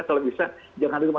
kalau bisa jangan masuk ke luar